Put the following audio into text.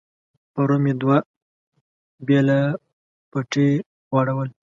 پرون مې دوه بېله پټي واړول.